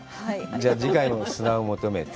じゃあ、次回も砂を求めて。